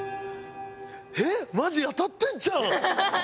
えっまじ当たってんちゃうん！？